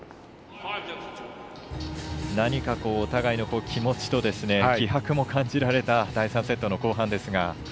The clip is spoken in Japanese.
何かお互いの気持ちと気迫も感じられた第３セットの後半ですが。